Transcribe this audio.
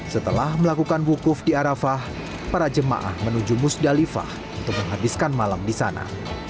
setelah melakukan wukuf di arafah para jemaah menuju musdalifah untuk menghabiskan malam di sana